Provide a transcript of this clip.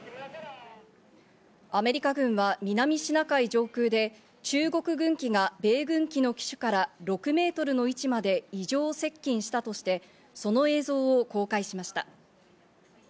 アメリカ軍は南シナ海上空で、中国軍機が米軍機の機首から６メートルの位置まで異常接近したとして、その映像を公開しました。